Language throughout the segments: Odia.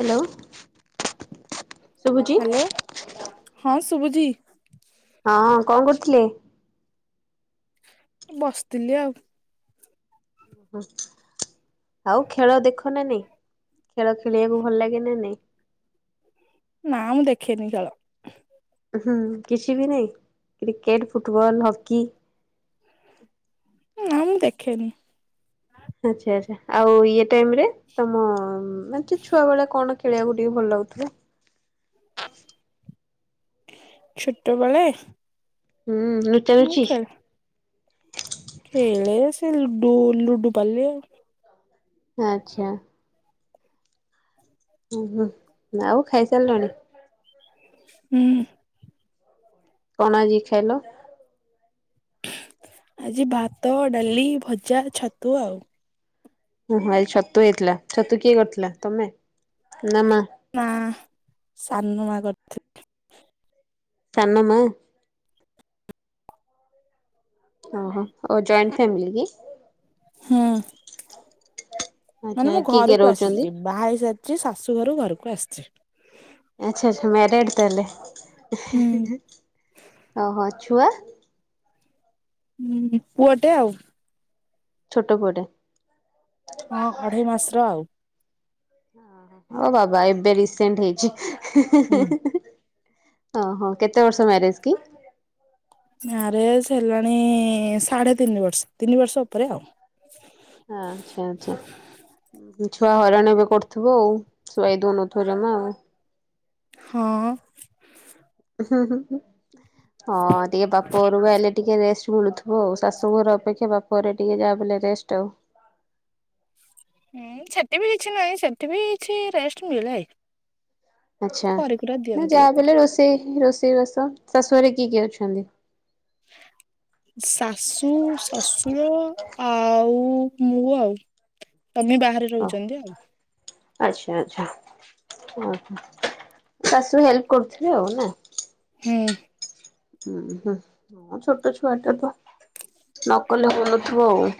ହ୍ୟାଲୋ ଶୁଭୁଛି ହ୍ୟାଲୋ ହଁ ଶୁଭୁଛି। ହଁ କଣ କରୁଥିଲୁ? ବସିଥିଲି ଆଉ। ଓ ଆଉ ଖେଳ ଦେଖ ନା ନାଇଁ? ଖେଳ ଖେଳିବାକୁ ଭଲ ଲାଗେ ନା ନାଇଁ? ନା ମୁଁ ଦେଖେନି ଖେଳ। ହୁଁ କିଛି ବି ନାଇଁ କ୍ରିକେଟ୍ ଫୁଟବଲ୍ ହକି? ନା ମୁଁ ଦେଖେନି। ଆଚ୍ଛା ଆଚ୍ଛା ଆଉ ଇଏ ଟାଇମ୍ ରେ ତମ ମାନେ ଛୁଆ ବେଳେ କଣ ଖେଳିବାକୁ ଟିକେ ଭଲ ଲାଗୁଥିଲା। ଛୋଟ ବେଳେ ହୁଁ ଲୁଚା ଲୁଚି ଖେଳ ସେ ଲୁଡୁ ଲୁଡୁ ପାଲି ଆଉ। ଆଚ୍ଛା ଓହୋ ଆଉ ଖାଇସାରିଲଣି? ହୁଁ। କଣ ଆଜିି ଖାଇଲ? ଆଜି ଭାତ, ଡାଲି, ଭଜା, ଛତୁ ଆଉ। ହୁଁ ହୁଁ ଆଜି ଛତୁ ହେଇଥିଲା ଛତୁ କିଏ କରିଥିଲା ତମେ ନା ମା? ନା, ସାନୁ ମା କରିଥି ସାନ ମା ଓ ହୋ, ଓ ଜଏଣ୍ଟ ଫ୍ୟାମିଲି କି? ହୁଁ ଉଁ। ଆଚ୍ଛା ମାନେ ମୁଁ କିଏ କିଏ ଘରକୁ ରହୁଛନ୍ତି? ଆସିଛି, ବାହା ହେଇସାରିଚି, ଶାଶୁ ଘରୁ ଘରକୁ ଆସିଛି। ଆଛା ଆଛା ମ୍ୟାରେଡ଼୍ ତାହେଲେ, ହେଁ ହୁଁ ହେଁ ହେଁ, ଓହୋ ଛୁଆ? ହୁଁ, ପୁଅଟେ ଆଉ। ଛୋଟ ପୁଅଟେ? ହଁ, ଅଢେଇ ମାସର ଆଉ। ଓ ବାବା, ଏବେ ରିସେଣ୍ଟ ହେଇଛି। ହେଁ ହୁଁ ହେଁ ହେଁ। ଓହୋ, କେତେ ବର୍ଷ ମ୍ୟାରେଜ କି? ମ୍ୟାରେଜ ହେଲାଣି, ସାଢ଼େ ତିନି ବର୍ଷ, ତିନି ବର୍ଷ ଉପରେ ଆଉ। ଆଛା ଆଛା। ଛୁଆ ହଇରାଣ ଏବେ କରୁଥିବଉ, ଶୁଆଇ ଦଉନଥିବ ଜମା ଆଉ। ହଁ ହୁଁ ହୁଁ ହୁଁ, ହଁ ଟିକେ ବାପ ଘରକୁ ଆଇଲେ ଟିକେ ରେଷ୍ଟ ମିଳୁଥି ହଉ, ଶାଶୁ ଘର ଅପେକ୍ଷା ବାପ ଘରେ ଟିକେ ଯାହା ବି ହେଲେ ରେଷ୍ଟ ଆଉ। ହୁଁ, ସେଠି ବି କିଛି ନାହିଁ, ସେଠି ବି କିଛି ରେଷ୍ଟ ମିଳେ। ଆଛା, କରିକୁରା ନା ଦିଅନ୍ତି। ଯାହା ବି ହେଲେ, ରୋଷେଇ, ରୋଷେଇ ବାସ, ଶାଶୁଘରେ କିଏ କିଏ ଅଛନ୍ତି? [unintelligible] ଶାଶୁ, ଶଶୁର ଆଉ ମୁଁ ଆଉ। ତମେ ବାହାରେ ରହୁଛନ୍ତି ଆଉ। ଆଛା ଆଛା। ଓହୋ, ଶାଶୁ ହେଲ୍ପ କରୁଥିବେ ଆଉ ନା? ହୁଁ। ହୁଁ, ହୁଁ, ହଁ ଛୋଟ ଛୁଆଟା ତ। ନକଲେ ବୁଲୁଥିବ ଆଉ।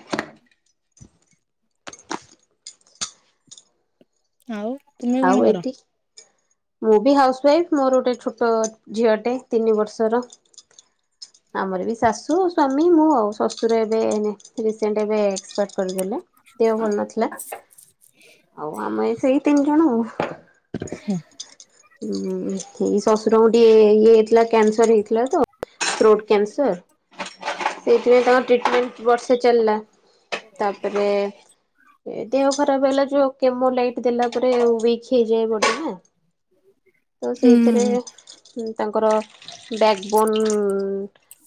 ଆଉ ତୁମେ କଣ ଆଉ କର? ଏଠି ମୁଁ ବି ହାଉସ ୱାଇଫ, ମୋର ଗୋଟେ ଛୋଟ ଝିଅଟେ, ତିନି ବର୍ଷର। ଆମର ବି ଶାଶୁ, ସ୍ଵାମୀ, ମୁଁ ଆଉ, ଶଶୁର ଏବେ ରିସେଣ୍ଟ ଏବେ ଏକ୍ସପାଟ କରିଗଲେ, ଦେହ ଭଲ ନଥିଲା, ଆଉ ଆମେ ସେଇ ତିନି ଜଣ ଆଉ। ହୁଁ। ଉଁ, ଏଇ ଶଶୁରଙ୍କୁ ଟିକେ ଇଏ ହେଇଥିଲା, କ୍ୟାନସର ହେଇଥିଲା ତ, ଫ୍ରୁଟ କ୍ୟାନ୍ସର। ସେଇଥିପାଇଁ ତାଙ୍କର ଟ୍ରିଟମେଣ୍ଟ ବର୍ଷେ ଚାଲିଲା, ତାପରେ ଏ ଦେହ ଖରାପ ହେଲା ଯୋଉ, କେମୋ ଲାଇଟ୍ ଦେଲା ତାପରେ ୱିକ୍ ହେଇଯାଏ ବଡି ନାଁ, ତ ସେଇଥିରେ ହୁଁ ହୁଁ, ତାଙ୍କର ବ୍ୟାଗବୋନ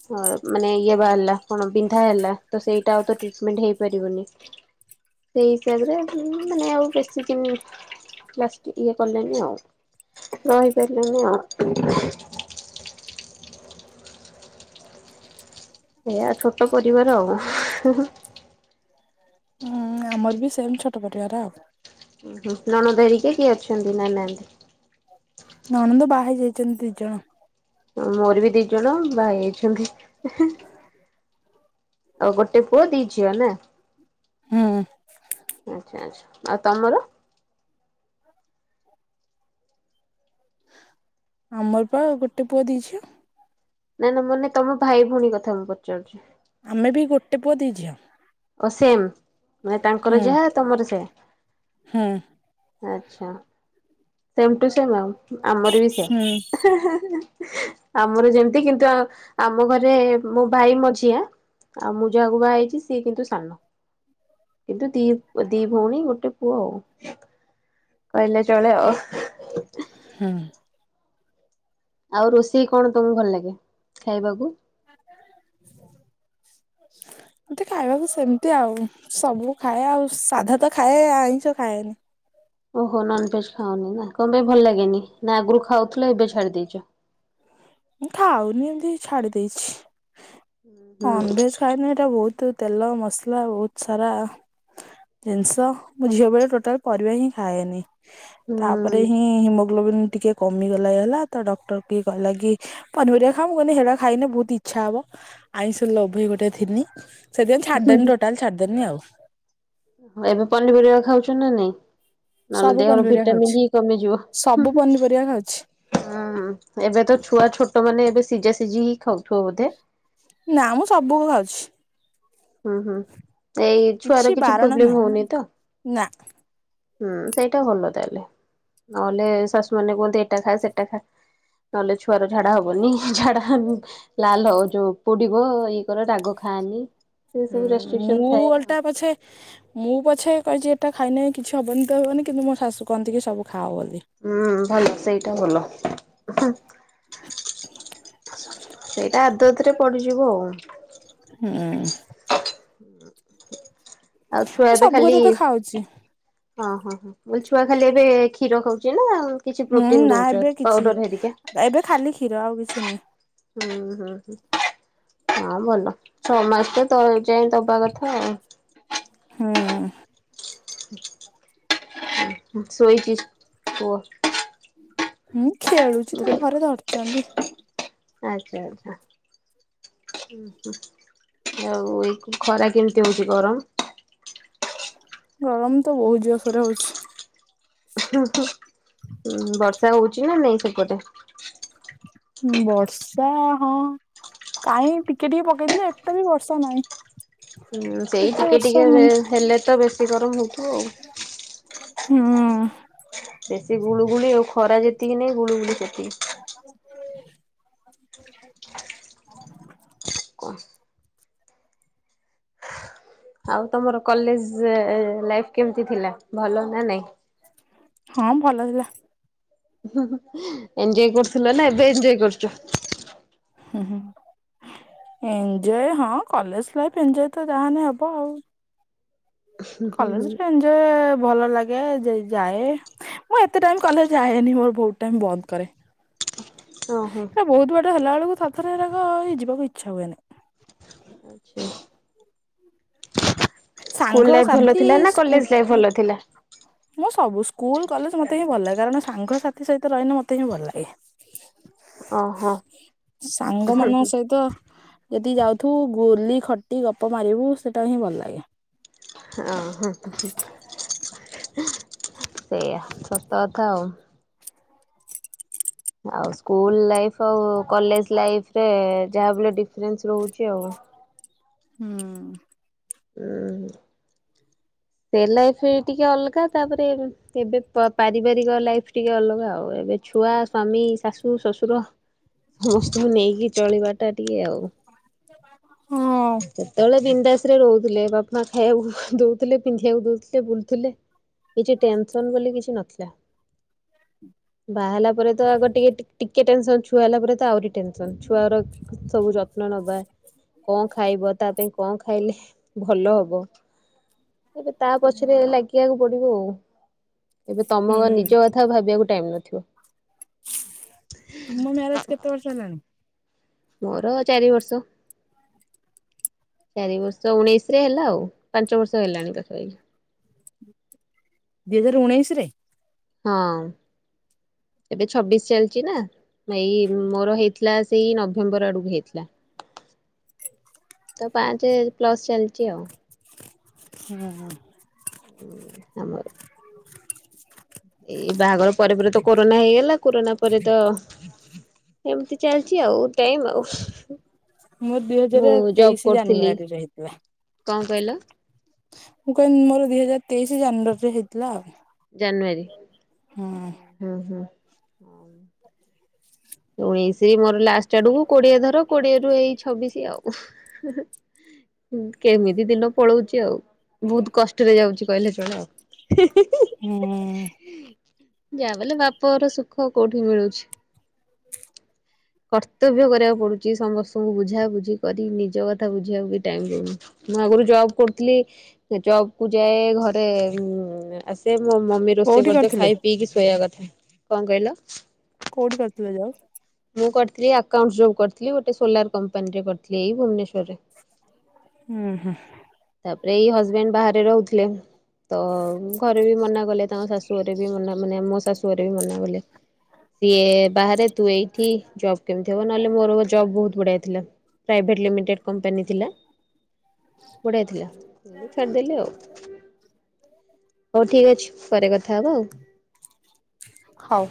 ହଁ, ମାନେ ଇଏ ବାହାରିଲା, କଣ ବିନ୍ଧା ହେଲା, ତ ସେଇଟା ଆଉ ତ ଟ୍ରିଟମେଣ୍ଟ ହେଇପାରିବନି। ସେଇ ହିସାବରେ, ମାନେ ଆଉ ବେଶୀ ଦିନ ଲାଷ୍ଟ ଇଏ କଲେନି ଆଉ, ରହିପାରିଲେନି ଆଉ। ସେଇଆ ଛୋଟ ପରିବାର ଆଉ। ହୁଁ ହୁଁ ହୁଁ। ହୁଁ, ଆମର ବି ସେମ୍ ଛୋଟ ପରିବାର ଆଉ। ଉଁ ହୁଁ, ନଣନ୍ଦ ହେରିକା କିଏ ଅଛନ୍ତି, ନା ନାଆନ୍ତି। ନଣନ୍ଦ ବାହା ହେଇ ଯାଇଚନ୍ତି ଦି ଜଣ। ହଁ ମୋର ବି ଦି ଜଣ ବାହା ହେଇଯାଇଛନ୍ତି। ତ ଗୋଟେ ପୁଅ ଦି ଝିଅ ନା? ହୁଁ। ଆଚ୍ଛା ଆଚ୍ଛା। ଆଉ ତମର? ଆମର ପା ଗୋଟେ ପୁଅ ଦି ଝିଅ। ନାଇଁ ନା ମାନେ ତମ ଭାଇ ଭଉଣୀ କଥା ମୁଁ ପଚାରୁଛି? ଆମେ ବି ଗୋଟେ ପୁଅ ଦି ଝିଅ। କଅ ସେମ୍ ମାନେ ତାଙ୍କର ହୁଁ ଯାହା ତମର ସେଆ? ହୁଁ। ଆଛା ସେମ୍ ଟୁ ସେମ୍ ଆଉ ଆମର ବି ହୁଁ। ସେଆ। [unintelligible] ଆମର ଯେମିତି କିନ୍ତୁ ଆ ଆମ ଘରେ ମୋ ଭାଇ ମଝିଆଁ। ଆଉ ମୁଁ ଯାହାକୁ ବାହା ହେଇଚି। ସିଏ କିନ୍ତୁ ସାନ। କିନ୍ତୁ ଦି ଦି ଭଉଣି ଗୋଟେ ପୁଅ ଆଉ। କହିଲେ ଚଳେ ଆଉ। ହୁଁ। ଆଉ ରୋଷେଇ କଣ ତମକୁ ଭଲ ଲାଗେ ଖାଇବାକୁ? ମୋତତି ଖାଇବାକୁ ସେମିତି ଆଉ ସବୁ ଖାଏ ଆଉ ସାଧା ତ ଖାଏ ଆଇଁଷ ଖାଏନି। ଓହୋ ନନଭେଜ୍ ଖାଓନି ନା କଣ ପାଇଁ ଭଲ ଲାଗେନି ନା ଆଗରୁ ଖାଉଥିଲ ଏବେ ଛାଡି ଦେଇଛ? ଖାଉନି ଏମିତି ଛାଡି ଦେଇଛି ହୁଁ ନନଭେଜ୍ ଖାଇନେ ଏଇଟା ବହୁତୁ। ତେଲ ମସଲା ବହୁତ ସାରା ଜିନିଷ। ମୁଁ ଝିଅ ବେଳେ ଟୋଟାଲ୍ ପରିବା ହିଁ ଖାଏନି ତାପରେ ହୁଁ ହିଁ ହିମୋଗ୍ଲୋବିନ୍ ଟିକେ। କମିଗଲା ହେଲା ତ ଡକ୍ଟର ବି କଇଲା କି ପନିପରିବା ଖାଆ ମୁଁ କଇନି ହେଟା ଖାଇନେ ବହୁତ୍ ଇଚ୍ଛା ହବ ଆଇଁଷ ଲୋଭେଇ ଗୋଟେ ଥିନି। ସେଥିଛାଡ଼ିଦେନି ଟୋଟାଲ୍ ଛାଡିଦେନି ଆଉ। ଏବେ ପନିପରିବା ଖାଉଛ ନା ନାଇଁ? ନହେଲେ ସବୁ ଦେହରୁ ପନିପରିବା ଭିଟାମିନ୍ ଖାଉଛି ହିଁ କମିଯିବ। ଉଁ ସବୁ ପନିପରିବା ଖାଉଛି ହୁଁ ଏବେ ତ ଛୁଆ ଛୋଟ ମାନେ ଏବେ ସିଝା ସିଝି ହିଁ ଖାଉଥିବ ବୋଧେ? ନା ମୁଁ ସବୁ ଖାଉଛି। ଉଁ ହୁଁ ଏଇ ଛୁଆର କିଛି ବାରଣ ପ୍ରୋବ୍ଲେମ୍ ନାହିଁ ହଉନି ତ? ନା ହୁଁ ସେଇଟା ଭଲ ତାହେଲେ ନହେଲେ ଶାଶୁ ମାନେ କୁହନ୍ତି ଏଟା ଖା ସେଟା ଖା। ନହେଲେ ଛୁଆର ଝାଡା ହବନି ଝାଡା ହନି। ଲାଲ ହବ ଯୋଉ ପୋଡିବ ଇଏ କର ରାଗ ଖାଆନି। ସେ ସବୁ ରେଷ୍ଟ୍ରିକସନ ମୁଁ ଥାଏ ଆଉ। ଓଲଟା ପଛେ। ମୁଁ ପଛେ କହିଛି ଏଇଟା ଖାଇନେ କିଛି ହବନି ତ ହବନି କିନ୍ତୁ ମୋ ଶାଶୁ କହନ୍ତି କି ସବୁ ଖାଆ ବୋଲି। ହୁଁ ଭଲ ସେଇଟା ଭଲ। ସେଇଟା ଆଦତ୍ ରେ ପଡିଯିବ ଆଉ। ହୁଁ। ଆଉ ଛୁଆ ଏବେ ସବୁ ଖାଲି କଥା ତ ଖାଉଛି ଓଁ ହଁ ହଁ [inaudible] ଛୁଆ ଖାଲି ଏବେ କ୍ଷୀର ଖାଉଛି ନା କିଛି ହୁଁ ପ୍ରୋଟିନ ନା ଦଉଛ ଏବେ କିଛି ପାଉଡର ହେରିକା? ଏବେ ଖାଲି କ୍ଷୀର ଆଉ କିଛି ନୁହେଁ। ହୁଁ ହୁଁ ହୁଁ ହଁ ଭଲ ଛଅ ମାସ ତ ତ ଯାଇ ଦବା କଥା ଆଉ ହୁଁ। ଶୋଇଛି କୁହ? ହଁ ଖେଳୁଛି ତ ଘରେ ଧରିଛନ୍ତି। ଆଚ୍ଛା ଆଚ୍ଛା। ହଁ ହଁ ଆଉ ଏଇ ଖରା କେମିତି ହଉଛି ଗରମ? ଗରମ ତ ବହୁତ ଜୋରସରେ ହଉଛି। ହୁଁ ହୁଁ ବର୍ଷା ହଉଛି ନା ନାଇଁ ସେପଟେ? ବର୍ଷା ହଁ କାହିଁ ଟିକେ ଟିକେ ପକେଇଥିଲା ଏତେ ବି ବର୍ଷା ନାହିଁ। ହଁ ସେଇ ଏତେ ଟିକେ ବର୍ଷା ଟିକେ ହଉନି ହେଲେ ତ ବେଶୀ ଗରମ ହଉଥିବ ଆଉ ହୁଁ। ବେଶୀ ଗୁଳୁଗୁଳି ଆଉ ଖରା ଯେତିକି ନାଇଁ ଗୁଳୁଗୁଳି ସେତିକି। କଣ ଆଉ ତମର କଲେଜ ଲାଇଫ କେମିତି ଥିଲା ଭଲ ନା ନାଇଁ? ହଁ ଭଲ ଥିଲା। ଏଞ୍ଜୟ କରୁଥିଲ ନା ଏବେ ଏଞ୍ଜୟ କରୁଛ? ହୁଁ ହୁଁ। ଏଞ୍ଜୟ ହଁ କଲେଜ ଲାଇଫ ଏଞ୍ଜୟ ତ ଯାହାନେ ହବ ଆଉ କଲେଜରେ ଏଞ୍ଜୟ ଭଲ ଲାଗେ ଯାଏ। ମୁଁ ଏତେ ଟାଇମ କଲେଜ ଯାଏନି ମୋର ବହୁତ ଟାଇମ ବନ୍ଦ କରେ। ଓହୋ। ଏଟା ବହୁତ ବାଟ ହେଲାବେଳକୁ ଥରେ ଥରେ ହେରାକ ଯିବାକୁ ଇଚ୍ଛା ହୁଏନି। ଆଛା ସ୍କୁଲ ସାଙ୍ଗ ଲାଇଫ ଭଲ ସାଥି ଥିଲା ନା ସ୍କୁଲ କଲେଜ ଲାଇଫ୍ ଭଲ ଥିଲା? ମୁଁ ସବୁ ସ୍କୁଲ କଲେଜ ମତେ ହିଁ ଭଲ ଲାଗେ କାରଣ ସାଙ୍ଗସାଥି ସହିତ ରହିଲେ ମତେ ହିଁ ଭଲ ଲାଗେ। ଓହୋ ସାଙ୍ଗ ମାନଙ୍କ ସହିତ ଯଦି ଯାଉଥୁବୁ ଗୁଲି ଖଟି ଗପ ମାରିବୁ ସେଇଟା ହିଁ ଭଲ ଲାଗେ। ହଁ ହଁ। ସେଇଆ ସତ କଥା ଆଉ ଆଉ ସ୍କୁଲ ଲାଇଫ ଆଉ କଲେଜ ଲାଇଫରେ ଯାହାବ ଡିଫରେନ୍ସ ରହୁଛି ଆଉ ହୁଁ। ହୁଁ। ରିଅଲ ଲାଇଫରେ ଟିକେ ଅଲଗା ତାପରେ ଏବେ ପାରିବାରିକ ଲାଇଫ ଟିକେ ଅଲଗା ଆଉ ଏବେ ଛୁଆ ସ୍ୱାମୀ ଶାଶୁ ଶ୍ୱଶୁର ସମସ୍ତଙ୍କୁ ନେଇକି ଚଳିବାଟା ଟିକେ ଆଉ ହୁଁ। ସେତେବେଳେ ବିନ୍ଦାସ ରେ ରହୁଥିଲେ ବାପା ଖାଇବାକୁ ଦଉଥିଲେ ପିନ୍ଧିବାକୁ ଦଉଥିଲେ ବୁଲୁଥିଲେ। କିଛି ଟେନସନ ବୋଲି କିଛି ନଥିଲା। ହୁଁ ବାହାହେଲା ପରେ ତ ଆଗ ଟିକେ ଟିକେ ଟେନସନ ଛୁଆ ହେଲା ପରେ ତ ଆହୁରି ଟେନସନ ଛୁଆର ସବୁ ଯତ୍ନ ନବା କଣ ଖାଇବ ତା ପାଇଁ କଣ ଖାଇଲେ ଭଲ ହବ ଏବେ ତା ପଛରେ ଲାଗି ବାକୁ ପଡିବ ଆଉ ଏବେ ତମ ନିଜ କଥା ଭାବିବାକୁ ଟାଇମ ନଥିବ? ତୁମ ମ୍ୟାରେଜ କେତେ ବର୍ଷ ହେଲାଣି? ମୋର ଚାରି ବର୍ଷ। ଚାରି ବର୍ଷ ଉଣେଇଶରେ ହେଲା ଆଉ ପାଞ୍ଚ ବର୍ଷ ହେଲାଣି ପାଖାପାଖି। ଦିଇ ହଜାର ଉଣେଇଶରେ। ହଁ ଏବେ ଛବିଶ ଚାଲିଛି ନା? ଏଇ ମୋର ହେଇଥିଲା ସେଇ ନଭେମ୍ବର ଆଡକୁ ହେଇଥିଲା। ତ ପାଞ୍ଚ ପ୍ଲସ୍ ଚାଲିଛି ଆଉ। ହୁଁ ଆମର ଏଇ ବାହାଘର ପରେ ପରେ ତ କରୋନା ହେଇଗଲା। କୋରୋନା ପରେ ତ ଏମିତି ଚାଲିଛି ଆଉ ଟାଇମ ଆଉ। ମୁଁ ଦୁଇ ମୁଁ ହଜାର ଜବ୍ ତେଇଶି କରୁଥିଲି ଜାନୁଆରୀ ରହିଥିଲା। କଣ କହିଲ? ମୁଁ କହିଲି ମୋର ଦୁଇ ହଜାର ତେଇଶ ଜାନୁୟରୀରେ ହେଇଥିଲା ଆଉ। ଜାନୁଆାରୀ ହଁ ହଁ ହ ଉଣେଇଶି ମୋର ଲାଷ୍ଟ ଆଡକୁ କୋଡିଏ ଧର କୋଡିଏ ରୁ ଏଇ ଛବିଶି ଆଉ। କେମିତି ଦିନ ପଳଉଛି ଆଉ ବହୁତ କଷ୍ଟରେ ଯାଉଛି କହିଲେ ଚାଳେ ଆଉ। ହୁଁ ଯାହା ବଲେ ବାପର ସୁଖ କୋଉଠି ମିଳୁଛି? କର୍ତ୍ତବ୍ୟ କରିବାକୁ ପଡୁଛି ସମସ୍ତଙ୍କୁ ବୁଝା ବୁଝି କରି ନିଜ କଥା ବୁଝିବାକୁ ବି ଟାଇମ ଦଉନି। ମୁଁ ଆଗରୁ ଜବ କରୁଥିଲି ଜବ କୁ ଯାଏ ଘରେ ସେ ମୋ ମମି ରୋଷେଇ କୋଉଠି କରିଦଅ କରିଥିଲେ ଖାଇ ପିଇକି ଶୋଇବା କଥା। କଣ କହିଲ? କୋଉଠି କରୁଥିଲ ଯବ? ମୁଁ କରିଥିଲି ଆକାଉଣ୍ଟ ଜବ୍ କରିଥିଲି ଗୋଟେ ସୋଲାର କମ୍ପାନୀରେ କରିଥିଲ ଏଇ ଭୁବନେସ୍ବରରେ। ହୁଁ ହୁଁ ତାପରେ ଏଇ ହଜବେଣ୍ଡ ବାହାରେ ରହୁଥିଲେ। ତ ଘରେ ବି ମନା କଲେ ତାଙ୍କ ଶାଶୁଘରେ ରେ ବି ମନା ମାନେ ମୋ ଶାଶୁଆରେ ବି ମନା କଲେ। ସିଏ ବାହାରେ ତୁ ଏଇଠି ଜବ୍ କେମିତି ହବ ନହେଲେ ମୋର ଜବ ବହୁତ ବଢିଆ ଥିଲା। ପ୍ରାଇଭେଟ୍ ଲିମିଟେଡ୍ କମ୍ପାନୀ ଥିଲା। ବଢ଼ୀଆ ଥିଲା ଛାଡିଦେଲି ଆଉ। ହଉ ଠିକ୍ ଅଛି ପରେ କଥା ହବ ଆଉ। ହଉ